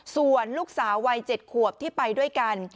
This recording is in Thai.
ส่วนลูกสาววัย๗ขวบที่ไปด้วยกัน